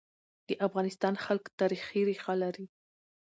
د افغانستان خلک تاریخي ريښه لري.